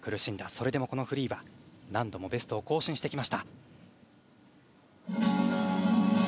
それでもフリーは何度もベストを更新してきました。